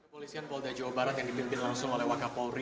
polisian polda jawa barat yang dipimpin langsung oleh wakapauri